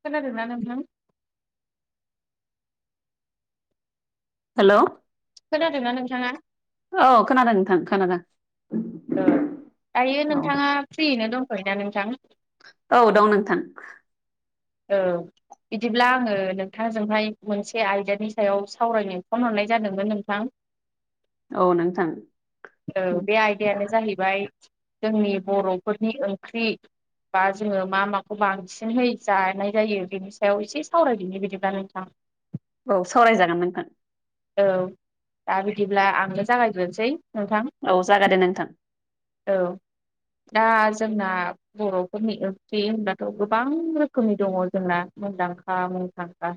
खोनादोंना नोंथां। हेलौ' खोनादोंना नोंथाङा औ खोनादों नोंथां खोनादों। ओ दायो औ नोंथाङा फ्रियैनो दंथयोना ना नोंथां। औ दं नोंथां। औ बिदिब्ला आङो नोंथांजोंहाय मोनसे आयदानि सायाव सावरायनो फन हरनाय जादोंमोन नोंथां। औ नोंथां औ बे आयदायानो जाहैबाय। जोंनि बर'फोरनि ओंख्रि बा जोङो मा माखौ बांसिनहै जानाय जायो बिनि सायाव एसे सावरायदोनि बिदिब्ला नोंथां। औ सावरायजागोन नोंथां। औ दा बिदिब्ला आंनो जागायग्रोसै। औ जागायदो नोंथां। औ दा जोंना बर'फोरनि ओंख्रि होनब्लाथ' गोबां रोखोमनि दङ जोंना मुदां खा मुंदांखा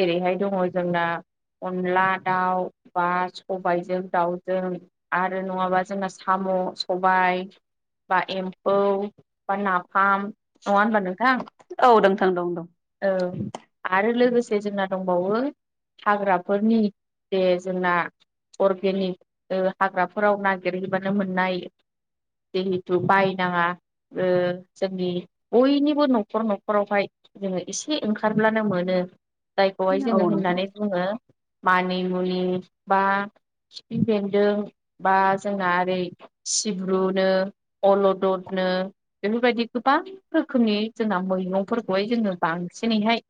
जेरैहाय दङ जोंना। अनला दाउ बा सबाइजों दाउजों आरो नङाबा जोंना साम'। सबाय बा एम्फौ बा नाफाम नङा होनबा नोंथां। औ नोंथां दं दं। औ आरो लोगोसे जोंना दंबावो हाग्राफोरनि बे जोंना अर्गेनिक ओ हाग्राफोराव नागेरहैबानो मोननाय जेहिथु बायनाङा ओ जोंनि बयनिबो न'खर न'खरावहाय जोङो एसे ओंखारब्लानो मोनो जायखौहाय औ जोङो नोंथां होननानै बुङो। मानि मुनि बा खिफि बेंन्दों बा जोंना ओरै सिब्रुनो अलदर नो बेफोरबायदि गोबां रोखोमनि जोंना मैंगंफोरखौहाय। जोङो बांसिनैहाय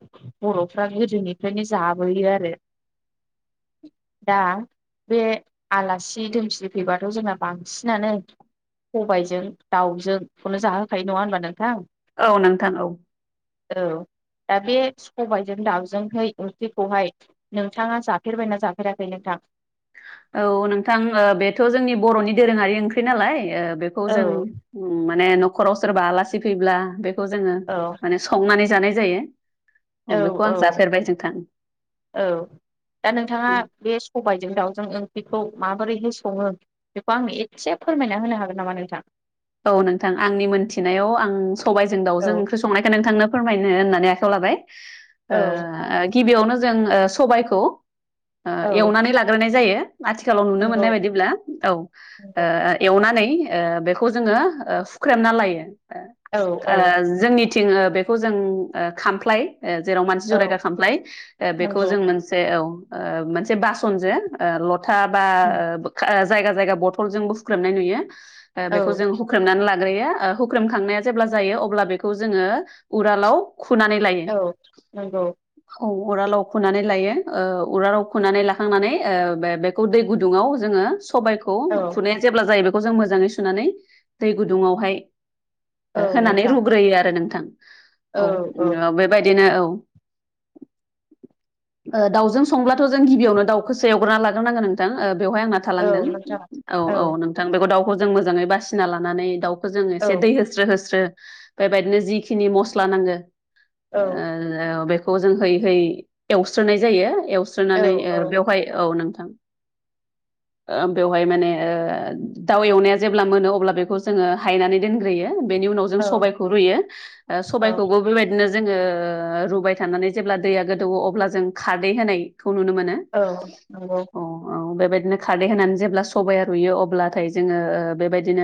बर'फ्रा गोदोनिफ्रायनो जाबोयो आरो दा बे आलासि दोमसि फैबाथ' जोंना बांसिनानो सबायजों दाउजों खौनो जाहोखायो नङा होनबा नोंथां। औ नोंथां औ। औ। दा बे सबायजों दाउजोंहै ओंख्रिखौहाय नोंथाङा जाफेरबायना जाफेराखै नोंथा थां। औ नोंथां ओ बेथ' जोंनि बर'नि दोरोङारि ओंख्रि नालाय ओ बेखौ जों औ माने न'खराव सोरबा आलासि फैब्ला बेखौ जोङो औ माने संनानै जानाय जायो। औ बेखौ आं औ जाफेरबाय नोंथां औ दा नोंथाङा बे सबाइजों दाउ जों ओंख्रिखौ माबोरैहाय सङो बेखौ आंनो एदसे फोरमायना होनो हागोन नामा नोंथां? औ नोंथां आंनि मोनथिनायाव आं सबायजों औ दाउजों ओंख्रि संनायखो नोंथांनो फोरमायनो होननानै आ खाव लाबाय औ ओ गिबियावनो जों ओ सबायखौ ओ औ एवनानै लाग्रोनाय जायो। आथिखालाव नुनो नंगौ मोननाय बायदिब्ला औ ओ नंगौ एवनानै ओ बेख खौ जोङो ओ हुख्रेमना लायो ओ औ औ ओ जोंनि थिं ओ बेखौ जों ओ खामफ्लाय ओ जेराव मानसि औ जरायगा खामफ्लाय ओ बेखौ नंगौ जों मोनसे औ ओ मोनसे बासनजो ओ लथा बा ओ बोखा जायगा जायगा बथलजोंबो हुख्रेमनाय नुयो ओ औ बेखौ जों हुख्रेमनान ला ग्रोयो ओ हुख्रेमखांनाया जेब्ला जायो अब्ला बेखौ जोङो उरालाव खुनानै लायो औ नोंगौ। औ उरालाव खुनानै लायो ओ उरालाव खुनानै लाखांनानै ओ बे बेखौ दै गुदुङाव जोङो सु सबायखौ औ खुनाया जेब्ला जायो बेखौ जों मोजाङै सुनानै दै गुदुङावहाय औ ओ होनानै नोंथां रुग्रोयो आरो नोंथां औ। ओ बेबायदिनो औ [inaudible] ओ दाउजों संब्लाथ' जों गिबियावनो दाउखोसो एवग्रोना लाग्रोनांगो नोंथां। ओ बेवहाय आंना औ थालांदों नोंथां औ औ नोंथां बेखौ दाउखौ जों मोजाङै बासिना लानानै दाउ खौ जोङो औ एसे दै होस्रो होस्रो बेबायदिनो जिखिनि मस्ला नांगो औ ओ बेखौ जों होय होय एवस्रोनाय जायो। एवस्रोनानै ओ औ बेवहाय औ नों थां ओ बेवहाय माने ओ दाउ एवनाया जेब्ला मोनो अब्ला बेखौ जोङो हायनानै दोनग्रोयो। ओ बेनि उनाव जों औ सबायखौ रुयो। औ सबायखौबो बेबायदिनो जोङो रुबाय थानानै जेब्ला दैया गोदौवो अब्ला जों खारदै होनाय खौ नुनो मोनो। औ नंगौ अ औ बे बेबायदिनो खारदै होनानै जेब्ला सबाया रुयो अब्लाथाय जोङो ओ बेबायदिनो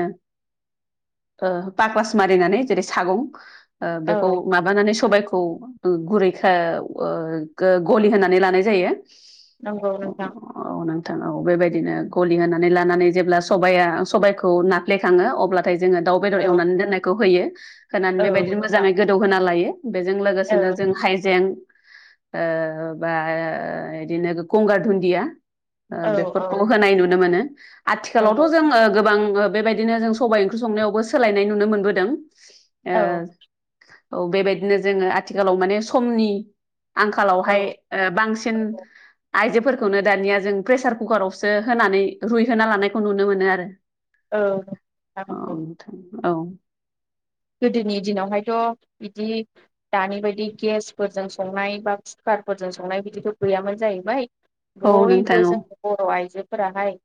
ओ पाग्लास मारिनानै जेरै सागं ओ औ बेखौ माबानानै सबाय खौ गुरैखौ ओ गो गलि होनानै लानाय जायो। नंगौ नोंथां अ नों थां औ बेबायदिनो गलि होनानै लानानै जेब्ला सबाया सबायखौ नाफ्लेखाङो अब्ला थाय जोङो दाउ बेदर औ एवनानै दोननायखौ होयो होनानै औ बेबायदिनो नोंथां मोजाङै गोदौ होना लायो। बेजों औ लोगोसेनो जों हाइजें ओ बा इदिनो गंगार दुन्दिया ओ औ औ बेफोरखौ होनाय नुनो मोनो। नंगौ आथिखालावथ' जों ओ गोबां ओ बेबायदिनो जों सबाय ओंख्रि संनायावबो सोलायनाय नुनो मोनबोदों। ओ औ औ बेबायदिनो जोङो आथिखालाव माने समनि आंखालावहाय ओ बांसिन आइजोफोरखौनो दानिया जों प्रेसार कुकारावसो होनानै रुइहोना लानायखौ नुनो मोनो आरो। ओ [unintelligible] औ गोदोनि दिनावहायथ' बिदि दानि बायदि गेसफोरजों संनाय बा खुखा खार फोरजों संनाय बिदिथ' गैयामोन जाहैबाय। औ नोंथां बयबो औ जों बर' आइजो फोराहाय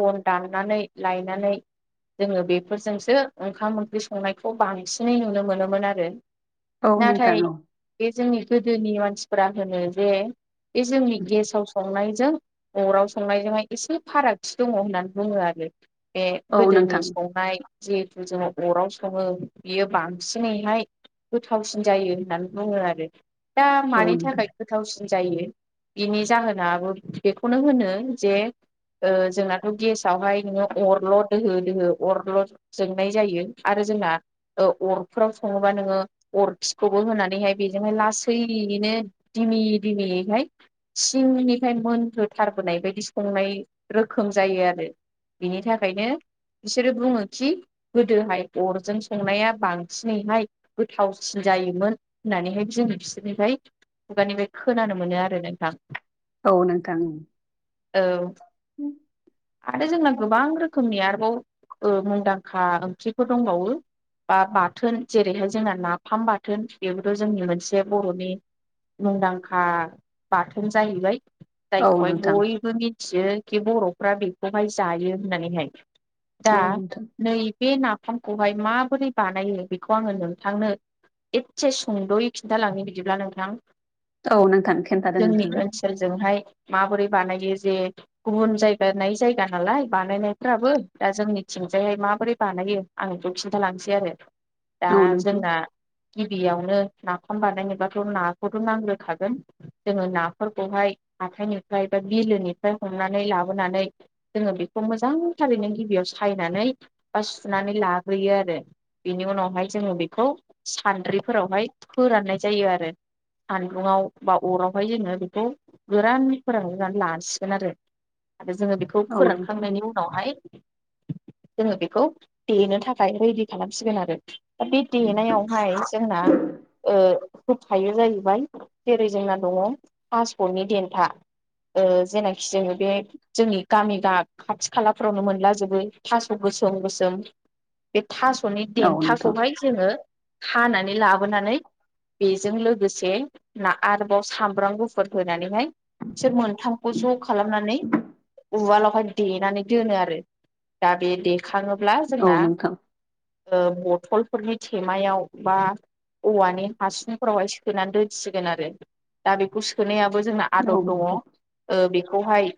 बन दाननानै लायनानै जोङो बेफोरजोंसो ओंखाम ओंख्रि संनायखौ बांसिनै नुनो मोनोमोन आरो। औ नोंथां नाथाय औ। बे जोंनि गोदोनि मानसिफ्रा होनो जे बे जोंनि गेसाव संनाय जों अराव संनायजोंहाय एसे फारागथि दङ होननानै बुङो आरो। बे औ गोदोनि नोंथां संनाय जिहेतु जोङो अराव स सङो बियो बांसिनैहाय गोथावसिन जायो होननानै बुङो आरो। दा औ मानि थाखाय गोथावसि जायो बिनि जाहोनाबो बेखौनो होनो जे ओ जोंनाथ' गेसावहाय नोङो अरल' दोहो दोहो अरल' जोंनाय जायो। आरो जोंना ओ अरफोराव सङोबा नोङो अरखिखौबो होनानैहाय बेजोंहाय लासै यैनो दिमि दिमियैहाय सिंनिफाय मोनखोथारबोनाय बायदि संनाय रोखोम जायो आरो। बिनि थाखायनो बिसोरो बुङो खि गोदोहाय अरजों संनाया बांसिनैहाय गोथावसिन जायोमोन होननानैहाय जों बिसोरनिफ्राइ खुगानिफ्राय खोनानो मोनो आरो नोंथां औ नोंथां औ। [inaudible] आरो जोंना गोबां रोखोमनि आरोबाव ओ मुंदांखा ओंख्रिफोर दंबावो। बा बाथोन जेरैहाय जोंना नाफाम बाथोन बेबोथ' जोंनि मोनसे बर'नि मुंदांखा बाथोन जाहैबाय। औ जायखौहाय नोंथां बयबो मिथियो खि बर'फ्रा बेखौहाय जायो होन्नानैहाय। औ दा नोंथां औ नोंथां औ नोंथां नैबे ना फामखौहाय माबोरै बानायो बेखौ आङो नोंथांनो एदसे सुंद'यै खिन्थालांनि बिदिब्ला नोंथां। औ नोंथां खिन्थादो जोंनि नोंथाङा ओनसोलजोंहाय माबोरै बानायो जे गुबुन जायगानाय जायगा नालाय बानायनायफ्राबो दा जोंनिथि थिंजायहाय माबोरै बानायो आं बेखौ खिन्थालांसै आरो। दा औ नोंथां जोंना गिबियावनो नाफाम बानायनोबाथ' नाखौथ' नांग्रोखागोन। जोङो नाफोरखौहाय हाथायनिफ्राय बा बिलोनिफ्राय हमनानै लाबोनानै जोङो बिखौ मोजांथारैनो गिबियाव सायनानै बा सुनानै लाग्रोयो आरो। बेनि उनावहाय जोङो बेखौ सान्द्रिफोरावहाय फोराननाय जायो आ आरो। सानदुङाव बा अरावहाय जोङो बेखौ गोरान फोरानग्रोनानै लानसिगोन आरो। आरो जोङो बेखौ औ नोंथां फोरानखांनायनि उनावहाय जोङो बेखौ देनो थाखाय रेडि खालामसिगोन आरो। दा बे देनायावहाय जोंना ओं होफायो जायो बाय जेरै जोंना दङ' पासप'नि देन्था। ओ जेनाखि जोङो बे जोंनि गामि गा खाथि खालाफ्रावनो मोनलाजोबो थास' गो सोम गोसोम बे थास'नि औ नोंथां देन्थाखौहाय जोङो हानानै लाबोनानै बेजों लोगोसे ना आरोबाव सामब्राम गुफुर होनानैहाय बिसोर मोनथामखौ ज' खालामनानै उवालावहाय देनानै दोनो आरो। दा बे देखाङोब्ला औ नोंथां। ओ बथ'लफोरनि थेमायाव बा औवानि हासुंफोरावहाय सोनानै दोनसिगोन आरो। दा बेखौ सोनायाब बो जोंना औ आदब दङ' नोंथां ओ बेखौहाय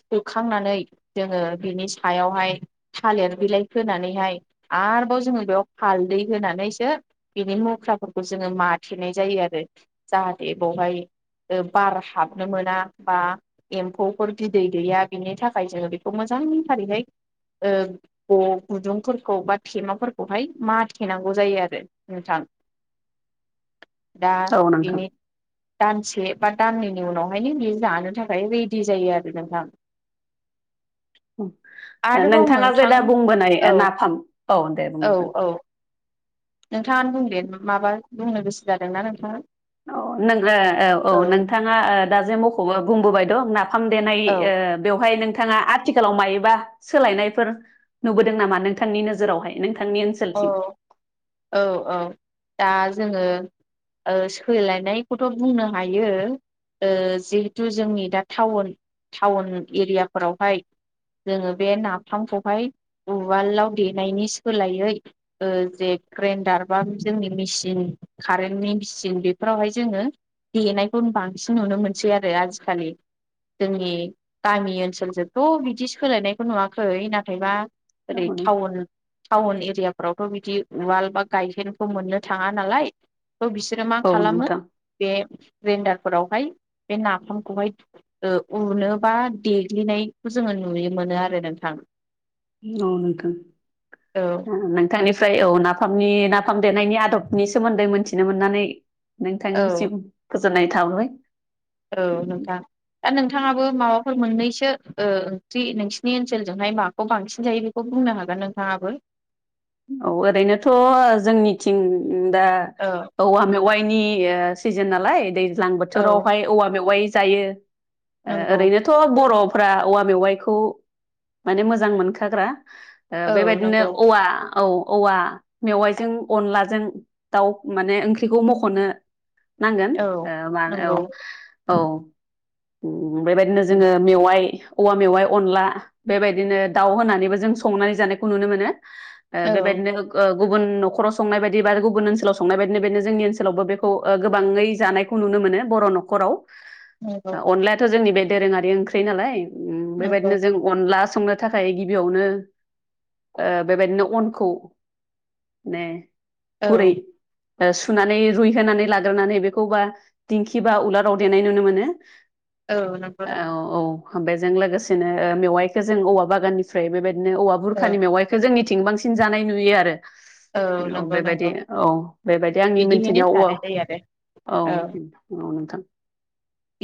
सोखांनानै जोङो बिनि सायावहाय थालेर बिलाइ होनानैहाय आरोबाव जोङो बेयाव हालदै होनानैसो बिनि मुख्राफोरखौ जोङो मा माथेनाय जायो आरो। जाहाथे बौहाय ओ बार हाबनो मोना बा एमफौफोर बिदै दैया बिनि थाखाय जोङो बिखौ मोज जां थारैहाय ओ अ गुदुंफोरखौ बा थेमाफोरखौहाय माथेनांगौ जायो आरो नोंथां। दा औ नोंथां बिनि दानसे बा दाननैनि उनावहायनो बियो जानो थाखाय रेडि जायो आरो नोंथां। ओ आरोबाव नोंथाङा जे नोंथां दा बुं बोनाय औ ओ नाफाम औ दे बुं औ नोंथां। औ नोंथाङानो बुं दे माबा बुंनो गोसो जादोंना नोंथाङा। औ नों ओ औ औ नोंथाङा ओ दा जे मख'बो बुंबोबाय दं ना फामदेनाय ओ औ बेवहाय नों थाङा आथिखालाव मायोबा सोलायनायफोर नुबोदों नामा नोंथांनि नोजोरावहाय? नों अ औ औ। दा जोङो ओ सोलायनायखौथ' बुंनो हायो। ओ जिहेथु जोंनि दा थाउन थाउन इरियाफोरावहाय जोङो बे नाफामखौहाय उवालाव देनायनि सोलायै ओ जे ग्रेइन्डार बा जोंनि मेसिन कारेन्टनि मिचिन बेफोरावहाय जोङो देनायखौन बांसिन नुनो मोनसै आरो आजिखालि। जोंनि गामि ओनसोलजोंथ' बिदि सोलायनायखौ नुवाखै। नाथायबा औ ओरै नोंथां थाउन थाउन एरिया फ्रावथ' बिदि उवाल बा गायहेनखौ मोननो थाङा नालाय। थ' बिसोरो मा औ खालामो बे ग्रेन्डारफोरावहाय बे नाफामखौहाय ओ उनो बा देग्लिनायखौ जोङो नुयो मोनो आरो नोंथां। अ नोंथां। औ आ नों थांनिफ्राय औ नाफामनि नाफाम देनायनि आदबनि सोमोन्दै मोन्थिनो मोननानै औ नोंथांनिसिम गोजोननाय थाहरबाय। औ नोंथां दा नोंथाङाबो माबाफोर मोननैसो ओ ओंथि नोंसिनि ओनसोलजोंहाय माखौ बांसिन जायो बेखौ बुं बुंनो हागोन नोंथाङाबो। औ ओरैनोथ' ओ जोंनिथिं उम दा औ औवा मेवाइनि ओ सिजोन नालाय दै ज्लां औ बोथोरावहाय औवा मेवाय जायो। ओ नंगौ ओरैनोथ' बर' फ्रा औवा मेवाइखौ माने मोजां मोनखाग्रा। ओ औ बेबायदिनो नंगौ औवा औ औवा मेवाइजों अनलाजों दाउ माने ओंख्रिखौ मख'नो नांगोन औ ओ मा नंगौ औ औ। उम बेबायदिनो जोङो मेवाइ औवा मेवाइ अनला बेबायदिनो दाउ होनानैबो जों संनानै जानायखौ नुनो मोनो। ओ औ बेबायदिनो [unintelligible] गुबुन नखराव संनाय बायदि बा गुबुन ओनसोलाव संनाय बायदिनो बेदनो जोंनि ओनसोलावबो बेखौ गोबाङै जानायखौ नुनो मोनो बर' न'खराव। नंगौ ओ अनलायाथ' जोंनि बे दोरोङारि ओंख्रि नालाय। उम नंगौ बेबायदिनो जों अनला स संनो थाखाय गिबियावनो ओ बेबायदनो अनखौ ने औ ओ सुनानै रुइहोनानै लाग्रोनानै बेखौ बा दिंखि बा उलाराव देनाय नुनो मोनो। औ नोंगौ औ नोंथां। बेजों लोगोसेनो ओ मेवाइखो जों औवा बागाननिफ्राय बेबायदिनो औवा औ बुरखानि मेवाइखो जोंनिथिं बांस सिन जानाय नुयो आरो। [inaudible] औ नंगौ बेबायदि नंगौ औ बेबायदि आंनि बिदिहैनो मोन्थिनायाव औवा जानाय जायो आरो औ औ नोंथां।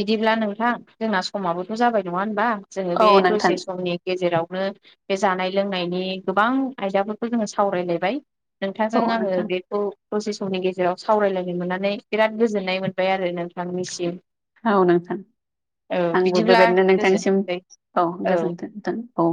बिदिब्ला नोंथां जोंना समाबोथ' जाबाय। नङा होनबा? जोङो बे औ नोंथां दसे समनि गेजेरावनो बे जानाय लोंनायनि गोबां आयदाफोरखौ जोङो सावरायलायबाय। नोंथांजों औ आङो नोंथां बेखौ दसे सम'नि गेजेराव सावरायलायनो मोननानै बिराद गोजोननाय मोनबाय आरो नोंथांनिसिम। औ नोंथां औ आंबो बिदिब्ला बेबादनो नोंथांनिसिम गोजोनसै औ गोजोन्थों नोंथां। औ।